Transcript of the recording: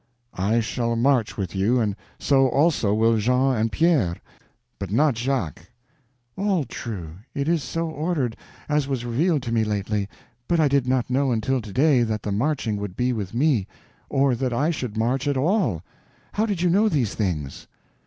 "I shall march with you, and so also will Jean and Pierre, but not Jacques." "All true—it is so ordered, as was revealed to me lately, but I did not know until to day that the marching would be with me, or that I should march at all. How did you know these things?"